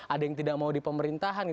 ada yang tidak mau di pemerintahan